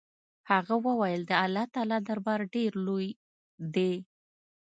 هغه وويل د الله تعالى دربار ډېر لوى دې.